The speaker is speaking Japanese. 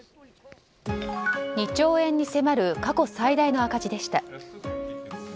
２兆円に迫る過去最大の赤字でした。